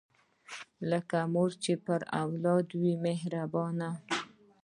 لکه مور چې پر اولاد وي مهربانه